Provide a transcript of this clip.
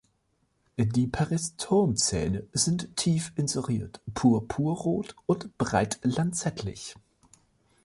Die Peristomzähne sind tief inseriert, purpurrot und breit lanzettlich.